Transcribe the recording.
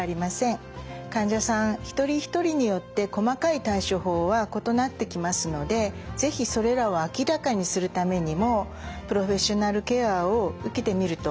患者さん一人一人によって細かい対処法は異なってきますので是非それらを明らかにするためにもプロフェッショナルケアを受けてみるといいと思います。